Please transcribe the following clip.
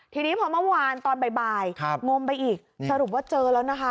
ทีนี้พอเมื่อวานตอนบ่ายงมไปอีกสรุปว่าเจอแล้วนะคะ